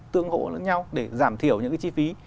tương hộ lẫn nhau để giảm thiểu những cái chi phí